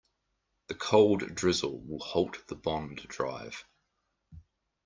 The cold drizzle will halt the bond drive.